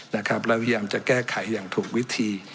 แล้วพยายามจะแก้ไขอย่างถูกวิธี